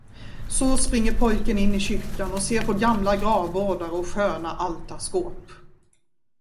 Så springer pojken in i kyrkan och ser på gamla gravvårdar och sköna altarskåp.